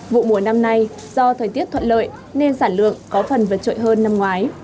vụ mùa năm nay do thời tiết thuận lợi nên sản lượng có phần vượt trội hơn năm ngoái